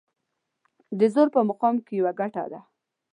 د زور په مقام کې يوه ګټه ده.